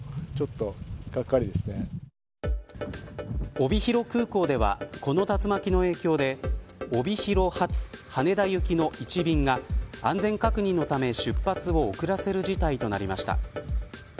帯広空港ではこの竜巻の影響で帯広発、羽田行きの１便が安全確認のため、出発を遅らせる事態となりました。